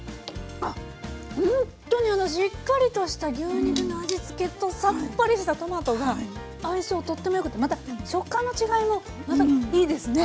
ほんとにあのしっかりとした牛肉の味付けとさっぱりしたトマトが相性とってもよくてまた食感の違いもいいですね。